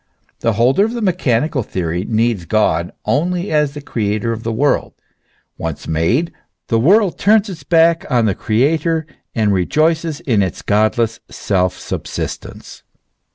The holder of the mechanical theory needs God only as the creator of the world; once made, the world turns its back on the creator, and rejoices in its godless self subsistence.